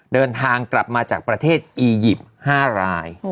เดินทางกลับมาจากประเทศอียิปต์๕ราย